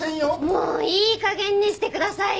もういい加減にしてくださいよ！